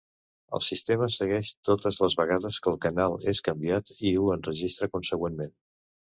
El sistema segueix totes les vegades que el canal és canviat i ho enregistra consegüentment.